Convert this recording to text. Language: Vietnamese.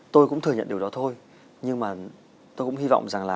tôi cũng thừa nhận điều đó thôi nhưng mà tôi cũng hy vọng rằng là